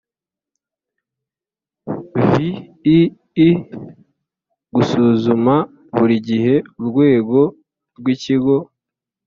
viii Gusuzuma buri gihe urwego rw’ikigo